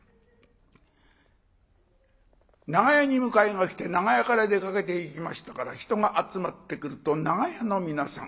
長屋に迎えが来て長屋から出かけていきましたから人が集まってくると「長屋の皆さん」。